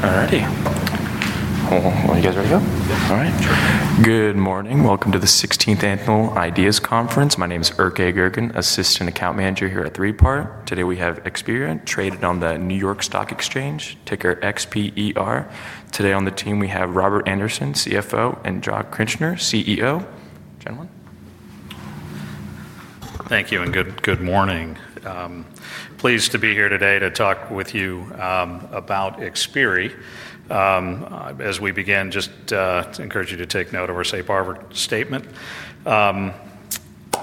Alrighty, are you guys ready to go? Yep. Alright. Sure. Good morning. Welcome to the 16th Annual Ideas Conference. My name is Urkay Gurgan, Assistant Account Manager here at 3PAR. Today we have Xperi, traded on the New York Stock Exchange, ticker XPER. Today on the team, we have Robert Andersen, CFO, and Geir Skaaden, CEO. Gentlemen. Thank you and good morning. Pleased to be here today to talk with you about Xperi. As we begin, just encourage you to take note of our safe harbor statement. Xperi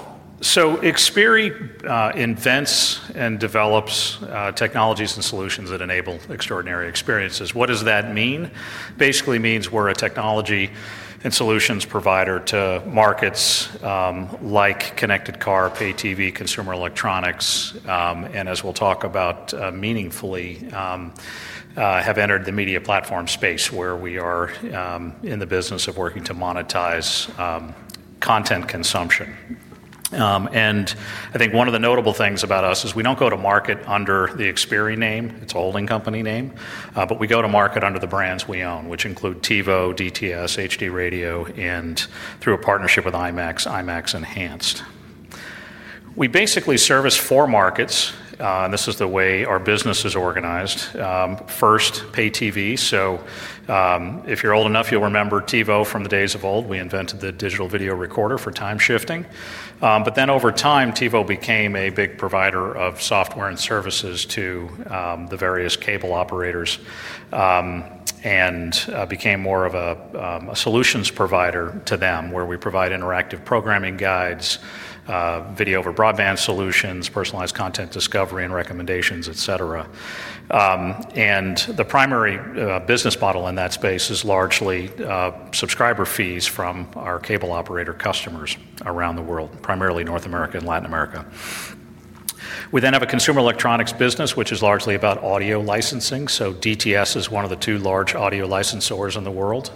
invents and develops technologies and solutions that enable extraordinary experiences. What does that mean? Basically means we're a technology and solutions provider to markets like connected car, pay TV, consumer electronics, and as we'll talk about, meaningfully, have entered the media platform space where we are in the business of working to monetize content consumption. I think one of the notable things about us is we don't go to market under the Xperi name, it's a holding company name, but we go to market under the brands we own, which include TiVo, DTS, HD Radio, and through a partnership with IMAX, IMAX Enhanced. We basically service four markets, and this is the way our business is organized. First, pay TV. If you're old enough, you'll remember TiVo from the days of old. We invented the digital video recorder for time shifting. Over time, TiVo became a big provider of software and services to the various cable operators, and became more of a solutions provider to them where we provide interactive programming guides, video over broadband solutions, personalized content discovery, and recommendations, et cetera. The primary business model in that space is largely subscriber fees from our cable operator customers around the world, primarily North America and Latin America. We then have a consumer electronics business, which is largely about audio licensing. DTS is one of the two large audio licensors in the world,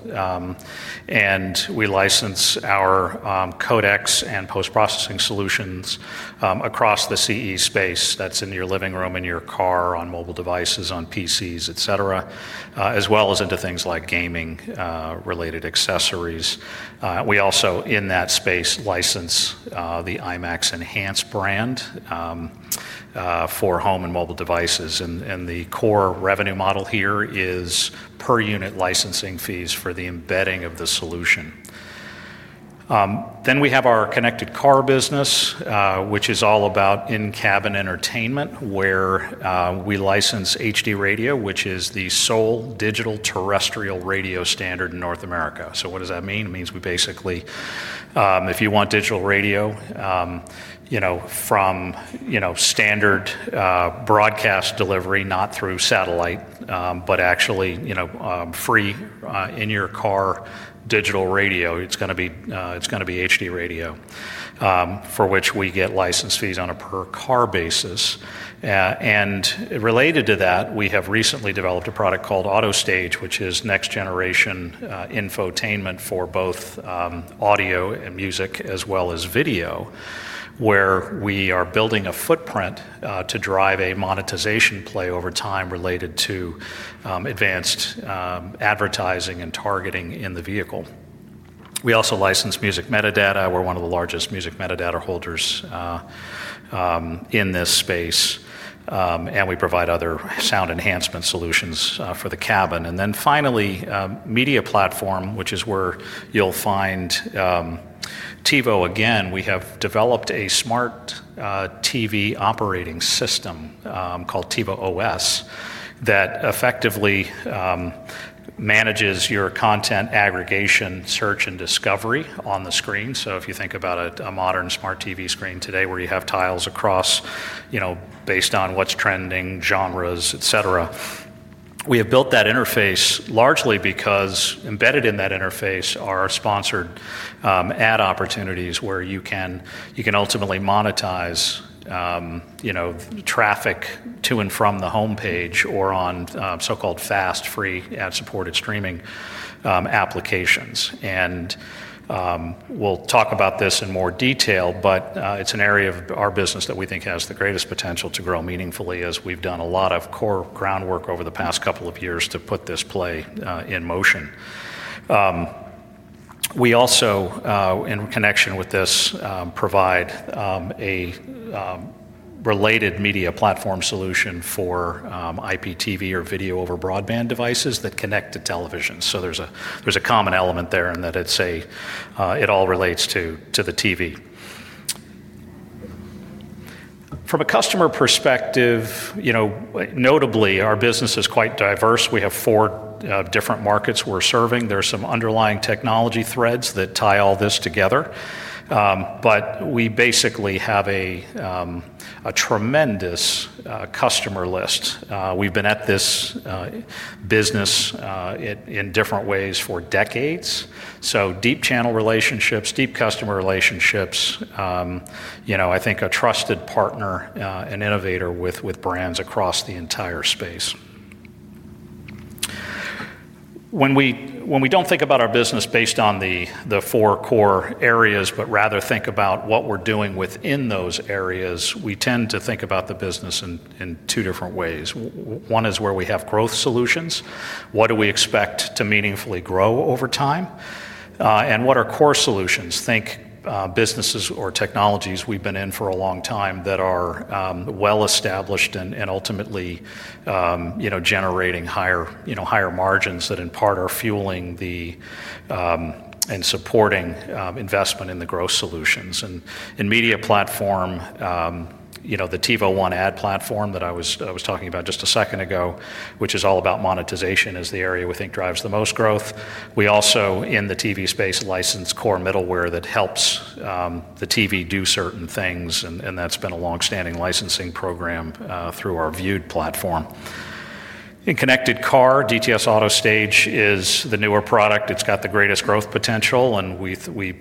and we license our codecs and post-processing solutions across the CE space. That's in your living room, in your car, on mobile devices, on PCs, et cetera, as well as into things like gaming related accessories. We also, in that space, license the IMAX Enhanced brand for home and mobile devices. The core revenue model here is per unit licensing fees for the embedding of the solution. We have our connected car business, which is all about in-cabin entertainment, where we license HD Radio, which is the sole digital terrestrial radio standard in North America. What does that mean? It means we basically, if you want digital radio, you know, from standard broadcast delivery, not through satellite, but actually, you know, free, in your car digital radio, it's going to be HD Radio, for which we get license fees on a per car basis. Related to that, we have recently developed a product called DTS AutoStage, which is next generation infotainment for both audio and music as well as video, where we are building a footprint to drive a monetization play over time related to advanced advertising and targeting in the vehicle. We also license music metadata. We're one of the largest music metadata holders in this space, and we provide other sound enhancement solutions for the cabin. Finally, media platform, which is where you'll find TiVo again, we have developed a smart TV operating system called TiVo OS that effectively manages your content aggregation, search, and discovery on the screen. If you think about a modern smart TV screen today where you have tiles across, you know, based on what's trending, genres, et cetera, we have built that interface largely because embedded in that interface are sponsored ad opportunities where you can ultimately monetize, you know, traffic to and from the homepage or on so-called FAST, free ad-supported streaming applications. We'll talk about this in more detail, but it's an area of our business that we think has the greatest potential to grow meaningfully as we've done a lot of core groundwork over the past couple of years to put this play in motion. We also, in connection with this, provide a related media platform solution for IPTV or video-over-broadband devices that connect to television. There's a common element there in that it all relates to the TV. From a customer perspective, notably, our business is quite diverse. We have four different markets we're serving. There's some underlying technology threads that tie all this together, but we basically have a tremendous customer list. We've been at this business in different ways for decades. Deep channel relationships, deep customer relationships, you know, I think a trusted partner and innovator with brands across the entire space. When we don't think about our business based on the four core areas, but rather think about what we're doing within those areas, we tend to think about the business in two different ways. One is where we have growth solutions. What do we expect to meaningfully grow over time, and what are core solutions? Think businesses or technologies we've been in for a long time that are well established and ultimately, you know, generating higher margins that in part are fueling and supporting investment in the growth solutions. In media platform, the TiVo One Ad Platform that I was talking about just a second ago, which is all about monetization, is the area we think drives the most growth. We also, in the TV space, license core middleware that helps the TV do certain things, and that's been a longstanding licensing program through our Viewed platform. In connected car, DTS AutoStage is the newer product. It's got the greatest growth potential, and we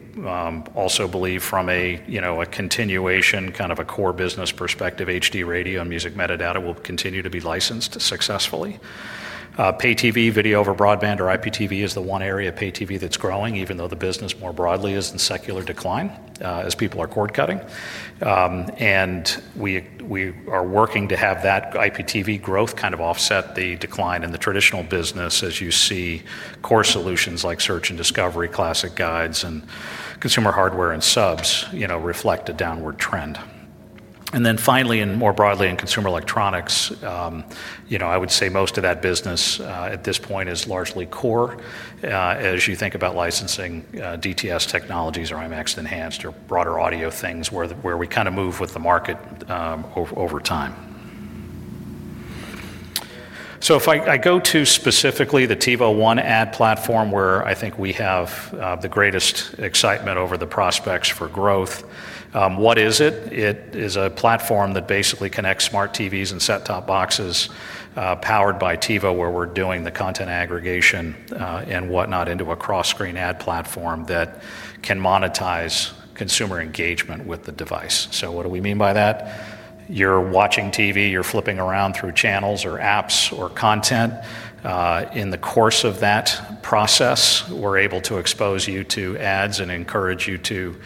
also believe from a continuation, kind of a core business perspective, HD Radio and music metadata will continue to be licensed successfully. pay TV, video over broadband, or IPTV is the one area of pay TV that's growing, even though the business more broadly is in secular decline, as people are cord cutting. We are working to have that IPTV growth kind of offset the decline in the traditional business as you see core solutions like search and discovery, classic guides, and consumer hardware and subs reflect a downward trend. Finally, and more broadly in consumer electronics, I would say most of that business at this point is largely core, as you think about licensing DTS technologies or IMAX Enhanced or broader audio things where we kind of move with the market over time. If I go to specifically the TiVo One Ad Platform where I think we have the greatest excitement over the prospects for growth, what is it? It is a platform that basically connects smart TVs and set-top boxes powered by TiVo, where we're doing the content aggregation and whatnot into a cross-screen ad platform that can monetize consumer engagement with the device. What do we mean by that? You're watching TV, you're flipping around through channels or apps or content. In the course of that process, we're able to expose you to ads and encourage you to,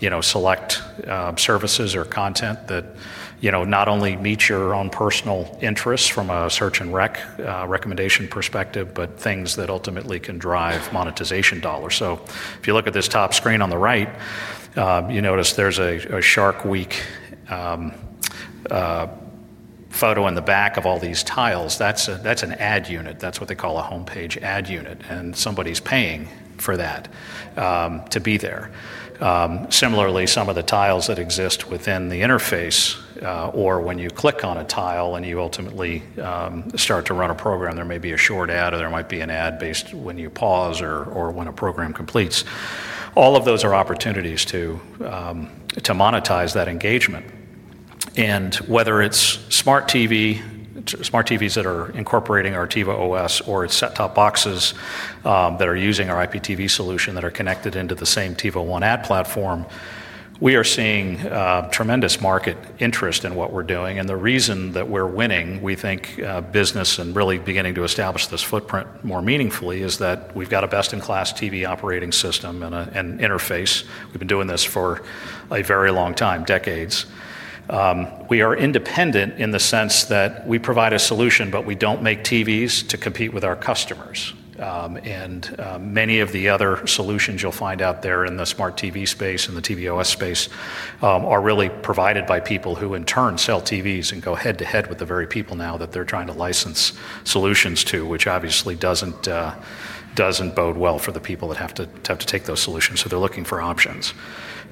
you know, select services or content that, you know, not only meet your own personal interests from a search and recommendation perspective, but things that ultimately can drive monetization dollars. If you look at this top screen on the right, you notice there's a Shark Week photo in the back of all these tiles. That's an ad unit. That's what they call a homepage ad unit, and somebody's paying for that to be there. Similarly, some of the tiles that exist within the interface, or when you click on a tile and you ultimately start to run a program, there may be a short ad or there might be an ad based when you pause or when a program completes. All of those are opportunities to monetize that engagement. Whether it's smart TVs that are incorporating our TiVo OS, or it's set-top boxes that are using our IPTV solution that are connected into the same TiVo One Ad Platform, we are seeing tremendous market interest in what we're doing. The reason that we're winning, we think, business and really beginning to establish this footprint more meaningfully is that we've got a best-in-class TV operating system and an interface. We've been doing this for a very long time, decades. We are independent in the sense that we provide a solution, but we don't make TVs to compete with our customers. Many of the other solutions you'll find out there in the smart TV space and the TiVo OS space are really provided by people who in turn sell TVs and go head to head with the very people now that they're trying to license solutions to, which obviously doesn't bode well for the people that have to take those solutions. They're looking for options.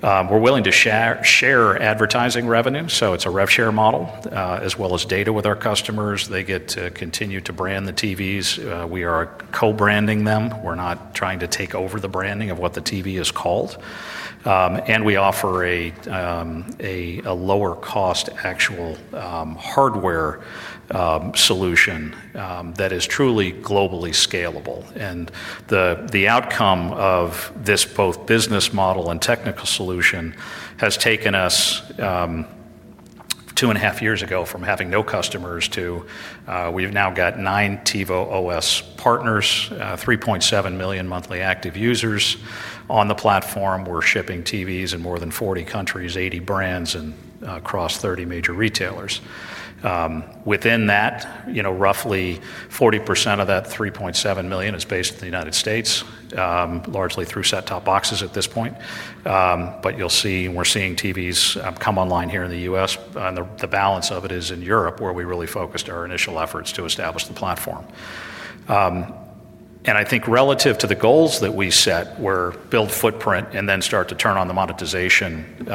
We're willing to share advertising revenue, so it's a rev share model, as well as data with our customers. They get to continue to brand the TVs. We are co-branding them. We're not trying to take over the branding of what the TV is called, and we offer a lower cost actual hardware solution that is truly globally scalable. The outcome of this both business model and technical solution has taken us, two and a half years ago from having no customers to, we've now got nine TiVo OS partners, 3.7 million monthly active users on the platform. We're shipping TVs in more than 40 countries, 80 brands, and across 30 major retailers. Within that, roughly 40% of that 3.7 million is based in the U.S., largely through set-top boxes at this point. You'll see, and we're seeing, TVs come online here in the U.S., and the balance of it is in Europe where we really focused our initial efforts to establish the platform. I think relative to the goals that we set, we're building footprint and then start to turn on the monetization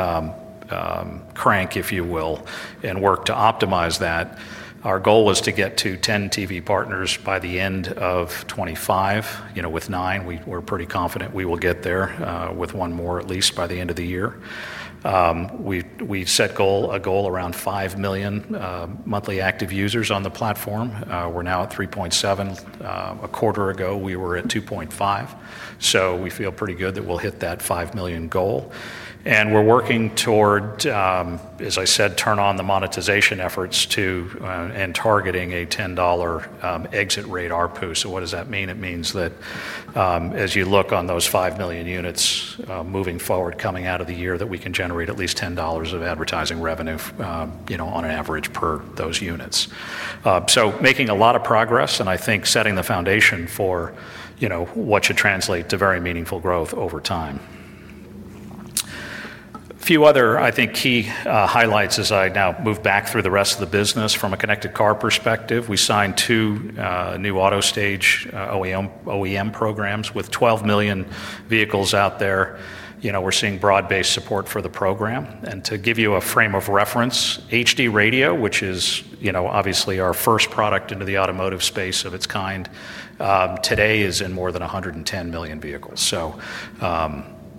crank, if you will, and work to optimize that. Our goal is to get to 10 TV partners by the end of 2025. With nine, we're pretty confident we will get there, with one more at least by the end of the year. We set a goal around 5 million monthly active users on the platform. We're now at 3.7. A quarter ago, we were at 2.5. We feel pretty good that we'll hit that 5 million goal. We're working toward, as I said, turning on the monetization efforts too, and targeting a $10 exit rate ARPU. What does that mean? It means that, as you look on those 5 million units moving forward, coming out of the year, we can generate at least $10 of advertising revenue, on an average per those units. We're making a lot of progress, and I think setting the foundation for what should translate to very meaningful growth over time. A few other key highlights as I now move back through the rest of the business. From a connected car perspective, we signed two new DTS AutoStage OEM programs with 12 million vehicles out there. We're seeing broad-based support for the program. To give you a frame of reference, HD Radio, which is obviously our first product into the automotive space of its kind, today is in more than 110 million vehicles.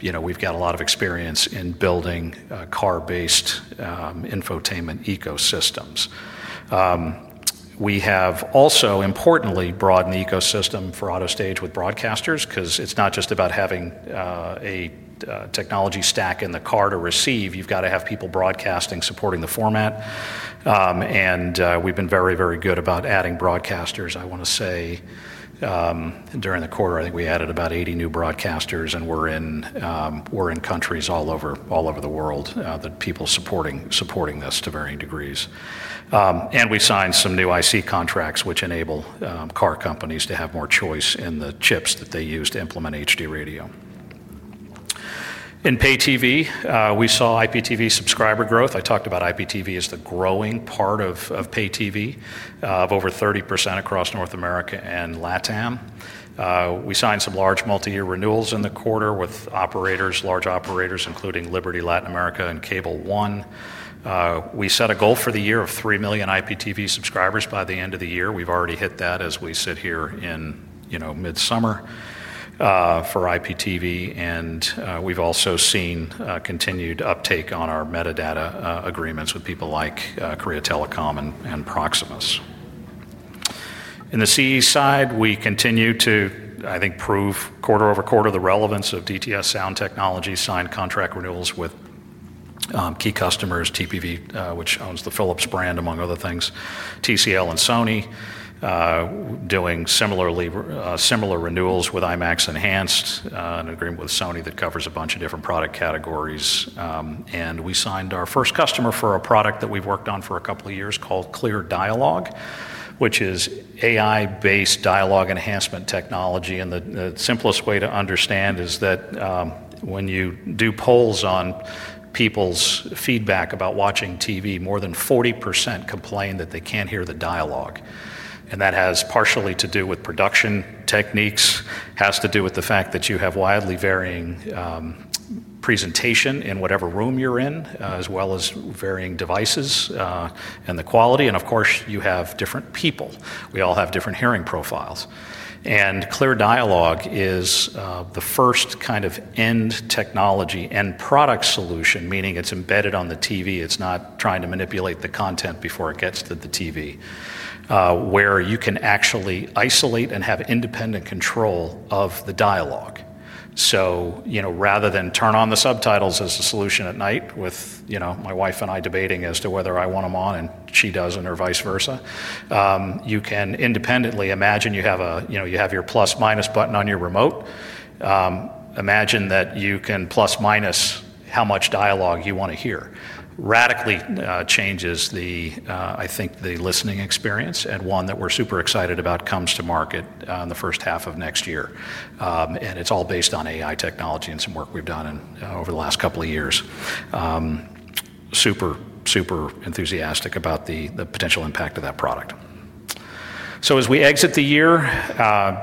We've got a lot of experience in building car-based infotainment ecosystems. We have also importantly broadened the ecosystem for DTS AutoStage with broadcasters because it's not just about having a technology stack in the car to receive. You've got to have people broadcasting supporting the format. We've been very, very good about adding broadcasters. I want to say, during the quarter, I think we added about 80 new broadcasters, and we're in countries all over the world, people supporting this to varying degrees. We signed some new IC contracts, which enable car companies to have more choice in the chips that they use to implement HD Radio. In pay TV, we saw IPTV subscriber growth. I talked about IPTV as the growing part of pay TV, of over 30% across North America and LATAM. We signed some large multi-year renewals in the quarter with operators, large operators, including Liberty Latin America and Cable One. We set a goal for the year of 3 million IPTV subscribers by the end of the year. We've already hit that as we sit here in mid-summer, for IPTV. We've also seen continued uptake on our metadata agreements with people like Korea Telecom and Proximus. On the CE side, we continue to prove quarter over quarter the relevance of DTS sound technology, signed contract renewals with key customers, TPV, which owns the Philips brand, among other things, TCL and Sony, doing similar renewals with IMAX Enhanced, an agreement with Sony that covers a bunch of different product categories. We signed our first customer for a product that we've worked on for a couple of years called Clear Dialogue, which is AI-based dialogue enhancement technology. The simplest way to understand is that when you do polls on people's feedback about watching TV, more than 40% complain that they can't hear the dialogue. That has partially to do with production techniques, has to do with the fact that you have widely varying presentation in whatever room you're in, as well as varying devices, and the quality. Of course, you have different people. We all have different hearing profiles. Clear Dialogue is the first kind of end technology, end product solution, meaning it's embedded on the TV. It's not trying to manipulate the content before it gets to the TV, where you can actually isolate and have independent control of the dialogue. Rather than turn on the subtitles as a solution at night with my wife and I debating as to whether I want them on and she doesn't or vice versa, you can independently imagine you have your plus minus button on your remote. Imagine that you can plus minus how much dialogue you want to hear. It radically changes the listening experience. One that we're super excited about comes to market in the first half of next year, and it's all based on AI technology and some work we've done over the last couple of years. Super, super enthusiastic about the potential impact of that product. As we exit the year,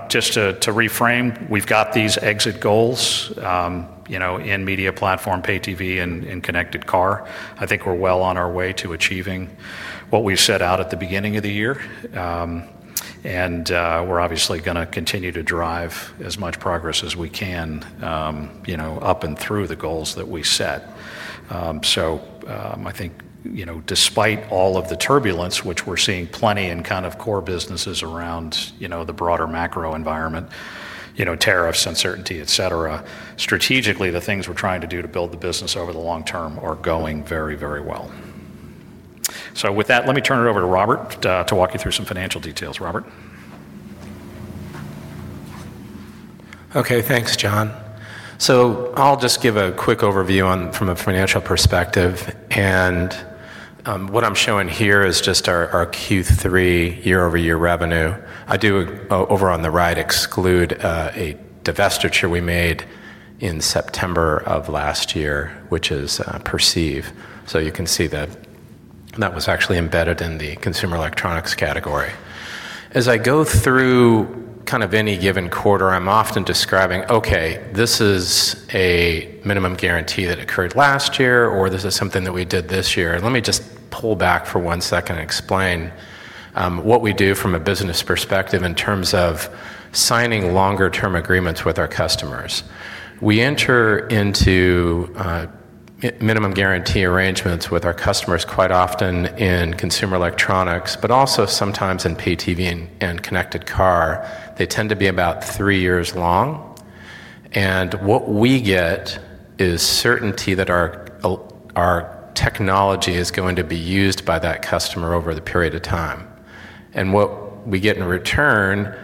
just to reframe, we've got these exit goals in media platform, pay TV, and connected car. I think we're well on our way to achieving what we set out at the beginning of the year, and we're obviously going to continue to drive as much progress as we can up and through the goals that we set. I think, despite all of the turbulence, which we're seeing plenty in kind of core businesses around the broader macro environment, tariffs, uncertainty, et cetera, strategically, the things we're trying to do to build the business over the long term are going very, very well. With that, let me turn it over to Robert to walk you through some financial details, Robert. Okay, thanks, John. I'll just give a quick overview from a financial perspective. What I'm showing here is just our Q3 year-over-year revenue. Over on the right, I exclude a divestiture we made in September of last year, which is Perceive. You can see that was actually embedded in the consumer electronics category. As I go through any given quarter, I'm often describing, okay, this is a minimum guarantee that occurred last year, or this is something that we did this year. Let me just pull back for one second and explain what we do from a business perspective in terms of signing longer-term agreements with our customers. We enter into minimum guarantee arrangements with our customers quite often in consumer electronics, but also sometimes in pay TV and connected car. They tend to be about three years long. What we get is certainty that our technology is going to be used by that customer over the period of time. What we get in return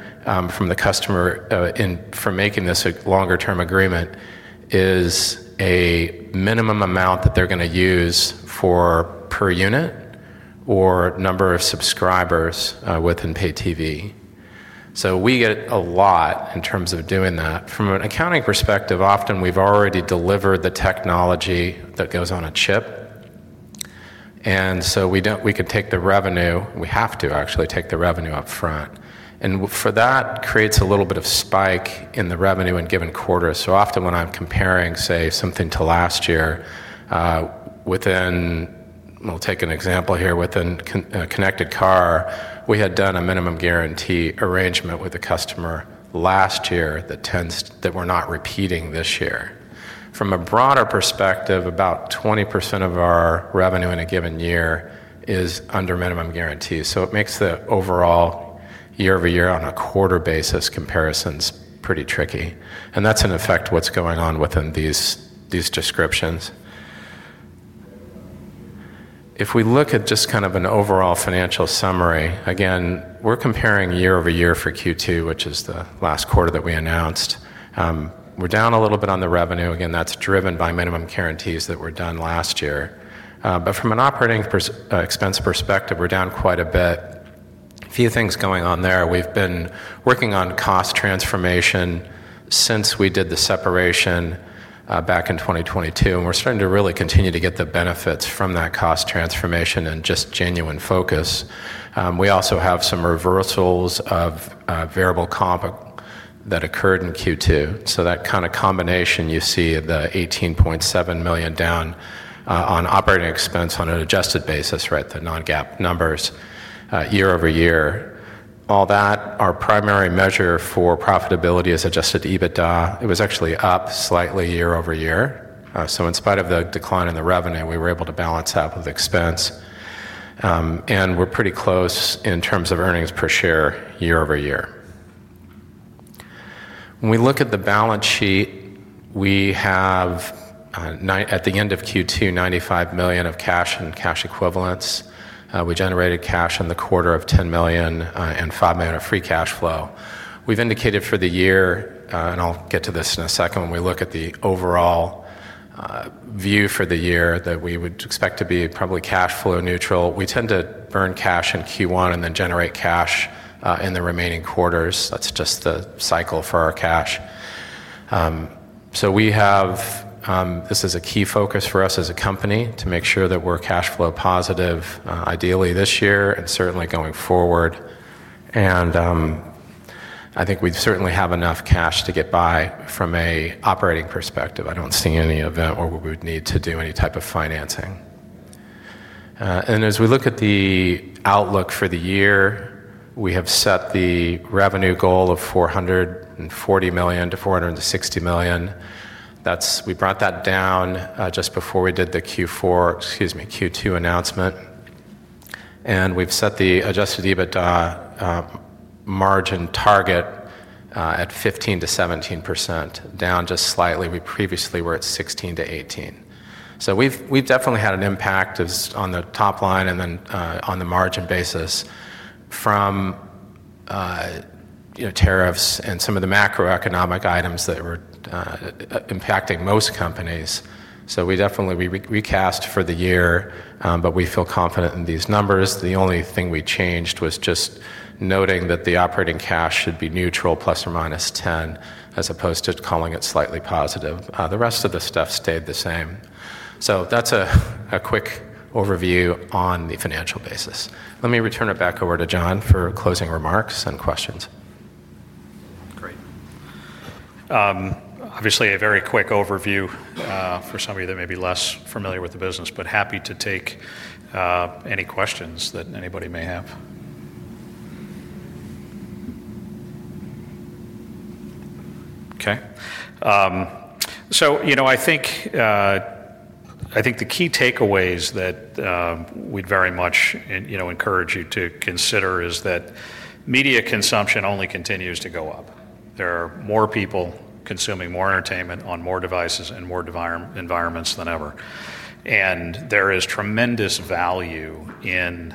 from the customer for making this a longer-term agreement is a minimum amount that they're going to use per unit or number of subscribers within pay TV. We get a lot in terms of doing that. From an accounting perspective, often we've already delivered the technology that goes on a chip. We don't, we could take the revenue, we have to actually take the revenue up front. That creates a little bit of spike in the revenue in given quarters. Often when I'm comparing, say, something to last year, within, we'll take an example here, within connected car, we had done a minimum guarantee arrangement with a customer last year that we're not repeating this year. From a broader perspective, about 20% of our revenue in a given year is under minimum guarantees. It makes the overall year-over-year on a quarter basis comparisons pretty tricky. That's in effect what's going on within these descriptions. If we look at just an overall financial summary, again, we're comparing year-over-year for Q2, which is the last quarter that we announced. We're down a little bit on the revenue. Again, that's driven by minimum guarantees that were done last year. From an operating expense perspective, we're down quite a bit. A few things going on there. We've been working on cost transformation since we did the separation back in 2022. We're starting to really continue to get the benefits from that cost transformation and just genuine focus. We also have some reversals of variable comp that occurred in Q2. That combination, you see the $18.7 million down on operating expense on an adjusted basis, right? The non-GAAP numbers, year-over-year. All that, our primary measure for profitability is adjusted EBITDA. It was actually up slightly year-over-year. In spite of the decline in the revenue, we were able to balance that with expense, and we're pretty close in terms of earnings per share year-over-year. When we look at the balance sheet, we have, at the end of Q2, $95 million of cash and cash equivalents. We generated cash in the quarter of $10 million, and $5 million of free cash flow. We've indicated for the year, and I'll get to this in a second, when we look at the overall view for the year, that we would expect to be probably cash flow neutral. We tend to burn cash in Q1 and then generate cash in the remaining quarters. That's just the cycle for our cash. This is a key focus for us as a company to make sure that we're cash flow positive, ideally this year and certainly going forward. I think we certainly have enough cash to get by from an operating perspective. I don't see any event where we would need to do any type of financing. As we look at the outlook for the year, we have set the revenue goal of $440 million-$460 million. We brought that down just before we did the Q2 announcement. We've set the adjusted EBITDA margin target at 15% to 17%, down just slightly. We previously were at 16%-18%. We've definitely had an impact on the top line and then, on the margin basis from tariffs and some of the macroeconomic items that were impacting most companies. We recast for the year, but we feel confident in these numbers. The only thing we changed was just noting that the operating cash should be neutral plus or minus $10 million, as opposed to calling it slightly positive. The rest of the stuff stayed the same. That's a quick overview on the financial basis. Let me return it back over to John for closing remarks and questions. Great. Obviously a very quick overview for somebody that may be less familiar with the business, but happy to take any questions that anybody may have. I think the key takeaways that we'd very much encourage you to consider is that media consumption only continues to go up. There are more people consuming more entertainment on more devices and more environments than ever. There is tremendous value in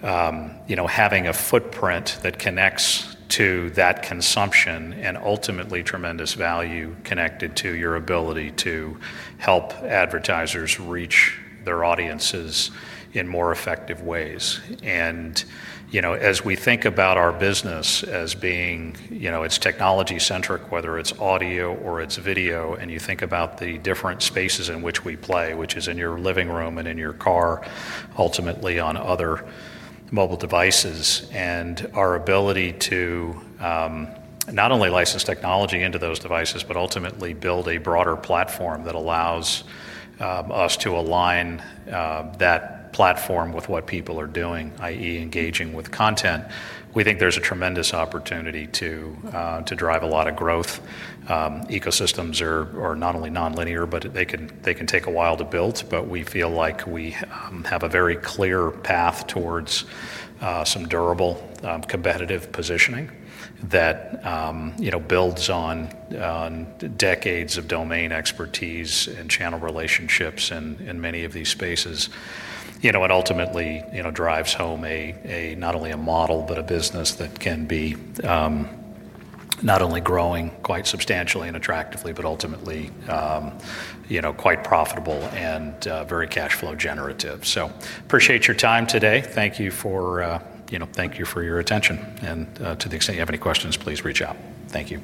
having a footprint that connects to that consumption and ultimately tremendous value connected to your ability to help advertisers reach their audiences in more effective ways. As we think about our business as being technology-centric, whether it's audio or it's video, and you think about the different spaces in which we play, which is in your living room and in your car, ultimately on other mobile devices, and our ability to not only license technology into those devices, but ultimately build a broader platform that allows us to align that platform with what people are doing, i.e., engaging with content. We think there's a tremendous opportunity to drive a lot of growth. Ecosystems are not only non-linear, but they can take a while to build. We feel like we have a very clear path towards some durable, competitive positioning that builds on decades of domain expertise and channel relationships in many of these spaces, and ultimately drives home not only a model, but a business that can be not only growing quite substantially and attractively, but ultimately quite profitable and very cash flow generative. Appreciate your time today. Thank you for your attention. To the extent you have any questions, please reach out. Thank you.